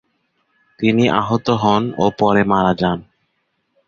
তিনি আহত হন ও পরে মারা যান।